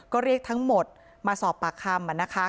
ก็เรียกทั้งหมดมาสอบปากคำนะคะ